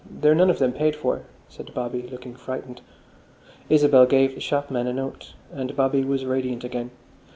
They're none of them paid for," said Bobby, looking frightened. Isabel gave the shopman a note, and Bobby was radiant again.